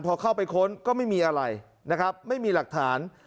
พอเข้าไปค้นก็ไม่มีอะไรนะครับไม่มีหลักฐาน